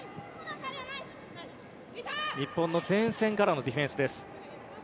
日本の前線からのディフェンスです。